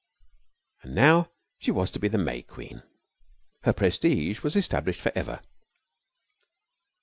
And now she was to be May Queen. Her prestige was established for ever.